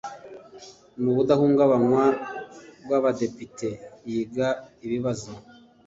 N ubudahungabanywa bw abadepite yiga ibibazo